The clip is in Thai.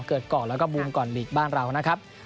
เกิดก่อนแล้วก็บูมก่อนหลีกบ้านเรานะครับ